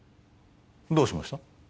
どうしました？